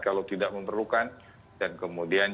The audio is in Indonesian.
kalau tidak memerlukan dan kemudian